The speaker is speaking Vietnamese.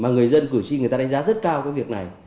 người dân cử tri người ta đánh giá rất cao cái việc này